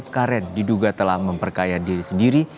karet diduga telah memperkaya diri sendiri